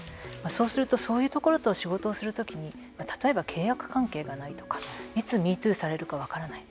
そうすると、そういうところと仕事をするときに例えば契約関係がないとかいつ＃ＭｅＴｏｏされるか分からない。